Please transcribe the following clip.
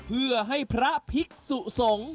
เพื่อให้พระภิกษุสงฆ์